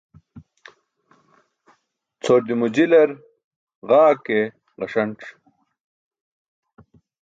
Cʰordimo jilar gaa ke gaṣanc̣.